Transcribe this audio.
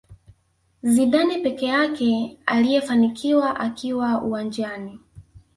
Zidane peke yake aliyefanikiwa akiwa uwanjani